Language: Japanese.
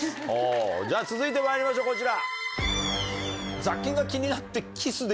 じゃあ続いてまいりましょうこちら！